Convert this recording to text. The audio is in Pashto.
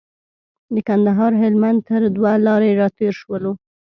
د کندهار هلمند تر دوه لارې راتېر شولو.